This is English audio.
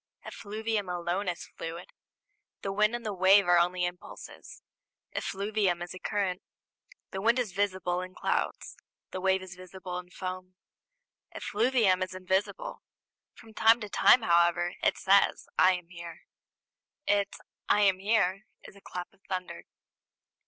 Effluvium alone is fluid. The wind and the wave are only impulses; effluvium is a current. The wind is visible in clouds, the wave is visible in foam; effluvium is invisible. From time to time, however, it says, "I am here." Its "I am here" is a clap of thunder.